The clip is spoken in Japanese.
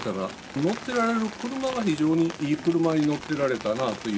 乗ってられる車が、非常にいい車に乗っておられたなという。